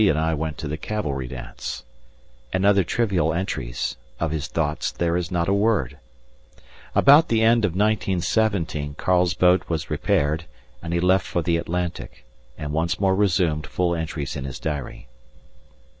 and I went to the Cavalry dance," and other trivial entries of his thoughts there is not a word._ _About the end of 1917 Karl's boat was repaired, and he left for the Atlantic; and once more resumed full entries in his diary.